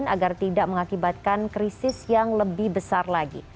agar tidak mengakibatkan krisis yang lebih besar lagi